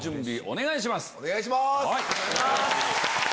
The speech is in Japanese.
お願いします。